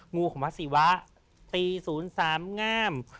งูของพระศิวะตีศูนย์สามงาม